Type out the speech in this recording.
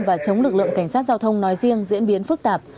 và chống lực lượng cảnh sát giao thông nói riêng diễn biến phức tạp